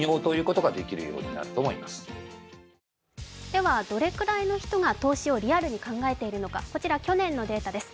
では、どのくらいの人が投資をリアルに考えているのかこちら去年のデータです。